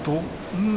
うん。